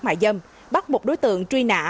mại dâm bắt một đối tượng truy nã